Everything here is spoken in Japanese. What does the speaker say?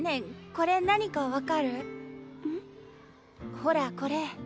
ほらこれ。